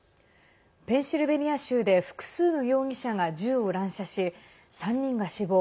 ペンシルベニア州で複数の容疑者が銃を乱射し３人が死亡。